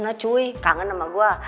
nah cuy kangen ama gua